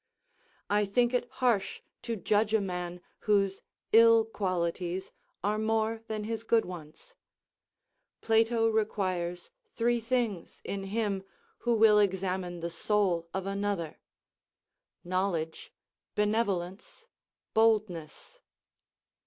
I think it harsh to judge a man whose ill qualities are more than his good ones: Plato requires three things in him who will examine the soul of another: knowledge, benevolence, boldness.